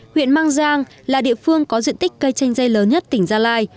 huyện mang giang là địa phương có diện tích cây chanh dây lớn nhất tỉnh gia lai